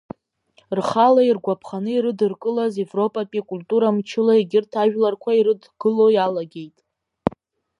Рхала иргәаԥханы ирыдыркылаз европатәи акультура мчыла егьырҭ ажәларқәа ирыдгыло иалагеит.